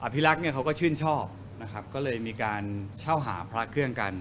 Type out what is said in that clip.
พี่รักษ์เนี่ยเขาก็ชื่นชอบนะครับก็เลยมีการเช่าหาพระเครื่องกัน